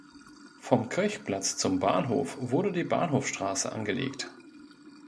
Vom Kirchplatz zum Bahnhof wurde die Bahnhofstraße angelegt.